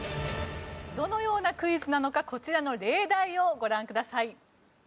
どのようなクイズなのかこちらの例題をご覧ください。